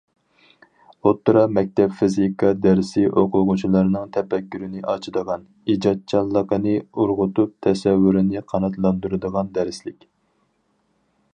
ئوتتۇرا مەكتەپ فىزىكا دەرسى ئوقۇغۇچىلارنىڭ تەپەككۇرىنى ئاچىدىغان، ئىجادچانلىقىنى ئۇرغۇتۇپ، تەسەۋۋۇرىنى قاناتلاندۇرىدىغان دەرسلىك.